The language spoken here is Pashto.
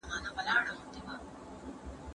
تجربه لرونکی لارښود تر نوي استاد ډېر ګټور دی.